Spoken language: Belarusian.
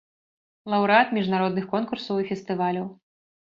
Лаўрэат міжнародных конкурсаў і фестываляў.